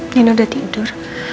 nino udah tidur